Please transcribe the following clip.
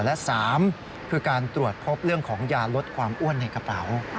และ๓คือการตรวจพบเรื่องของยาลดความอ้วนในกระเป๋า